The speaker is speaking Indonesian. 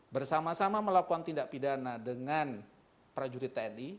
bersama sama melakukan tindak pidana dengan prajurit tni